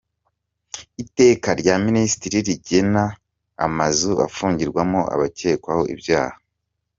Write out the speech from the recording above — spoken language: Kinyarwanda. Iteka rya Minisitiri rigena amazu afungirwamo abakekwaho ibyaha